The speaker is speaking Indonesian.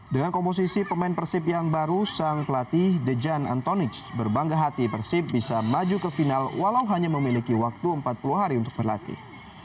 dengan komposisi pemain persib yang baru sang pelatih the jan antonic berbangga hati persib bisa maju ke final walau hanya memiliki waktu empat puluh hari untuk berlatih